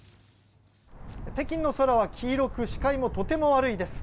北京の空は黄色く視界もとても悪いです。